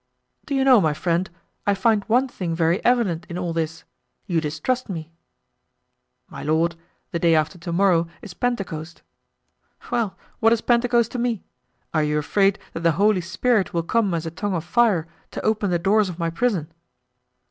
"Do you know, my friend, I find one thing very evident in all this, you distrust me." "My lord, the day after to morrow is Pentecost." "Well, what is Pentecost to me? Are you afraid that the Holy Spirit will come as a tongue of fire to open the doors of my prison?"